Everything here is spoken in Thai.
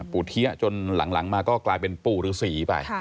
ปูเที้ยะจนหลังมาก็กลายเป็นปู่หรือศรีไป